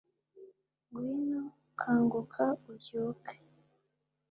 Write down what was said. Ngwino kangukaubyuke